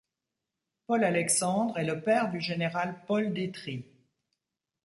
Paul-Alexandre est le père du général Paul Détrie.